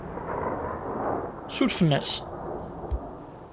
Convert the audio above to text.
Surfen-as?